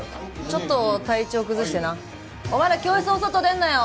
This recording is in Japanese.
ちょっと体調崩してなお前ら教室の外出んなよ